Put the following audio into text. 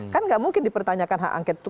kan nggak mungkin dipertanyakan hak angket itu